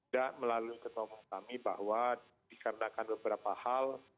melalui ketua umum kami bahwa dikarenakan beberapa hal